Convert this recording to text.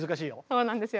そうなんですよ